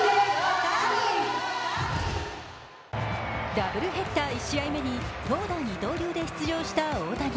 ダブルヘッダー１試合目に投打二刀流で出場した大谷。